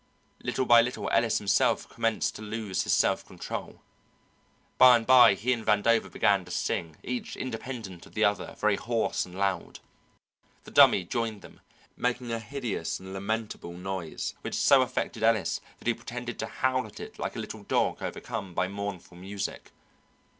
Little by little Ellis himself commenced to lose his self control. By and by he and Vandover began to sing, each independent of the other, very hoarse and loud. The Dummy joined them, making a hideous and lamentable noise which so affected Ellis that he pretended to howl at it like a little dog overcome by mournful music.